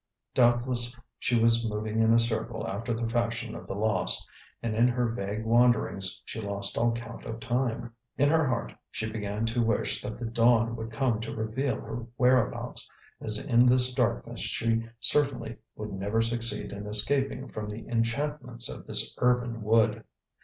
Doubtless she was moving in a circle after the fashion of the lost, and in her vague wanderings she lost all count of time. In her heart she began to wish that the dawn would come to reveal her whereabouts, as in this darkness she certainly would never succeed in escaping from the enchantments of this urban wood.